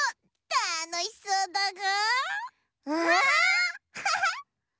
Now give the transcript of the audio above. たのしそうだぐ！